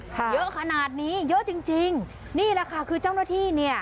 เยอะขนาดนี้เยอะจริงจริงนี่แหละค่ะคือเจ้าหน้าที่เนี่ย